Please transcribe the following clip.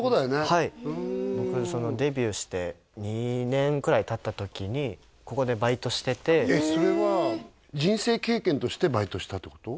はい僕デビューして２年くらいたった時にそれは人生経験としてバイトしたってこと？